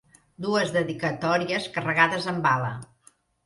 Dues dedicatòries carregades amb bala.